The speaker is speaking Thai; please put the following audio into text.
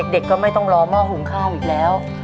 เด็กก็ไม่ต้องรอหม้อหุงข้าวอีกแล้ว